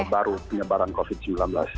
baru penyebaran covid sembilan belas